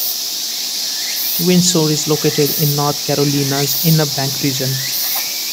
Windsor is located in North Carolina's Inner Banks region.